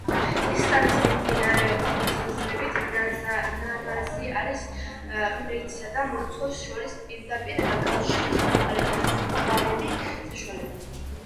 ისლამის მიმდევრების მოსაზრებით ნამაზი არის ღმერთსა და მლოცველს შორის პირდაპირ კავშირის დამყარების საშუალება.